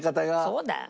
そうだよ。